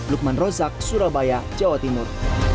lukman rozak surabaya jawa timur